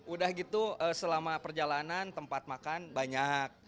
udah gitu selama perjalanan tempat makan banyak